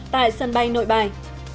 tại sân bay nội bài